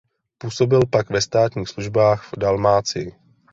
Působil pak ve státních službách v Dalmácii.